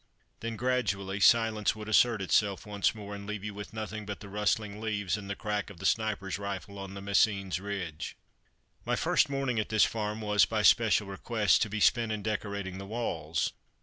Then, gradually, silence would assert itself once more and leave you with nothing but the rustling leaves and the crack of the sniper's rifle on the Messines ridge. My first morning at this farm was, by special request, to be spent in decorating the walls.